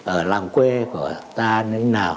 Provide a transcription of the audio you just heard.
ở làng quê của ta như thế nào